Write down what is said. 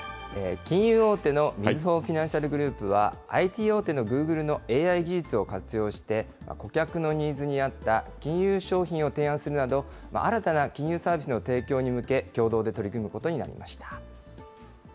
金融大手のみずほフィナンシャルグループは、ＩＴ大手のグーグルのＡＩ技術を活用して、顧客のニーズに合った金融商品を提案するなど、新たな金融サービスの提供に向け、共同で取り組むことになりました。